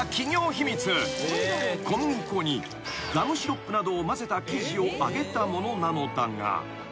［小麦粉にガムシロップなどを混ぜた生地を揚げたものなのだが］